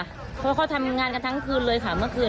เพราะเขาทำงานกันทั้งคืนเลยค่ะเมื่อคืน